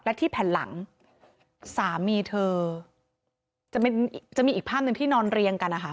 และที่แผ่นหลังสามีเธอจะมีอีกภาพหนึ่งที่นอนเรียงกันนะคะ